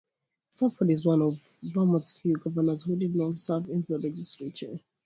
Stafford is one of Vermont's few governors who did not serve in the legislature.